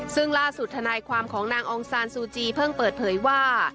ซึ่งล่าสุดธนายความของนางองซานซูจีเพิ่งเปิดเผยว่า